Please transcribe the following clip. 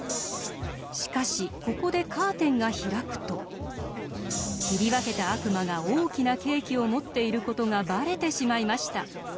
しかしここでカーテンが開くと切り分けた悪魔が大きなケーキを持っている事がばれてしまいました。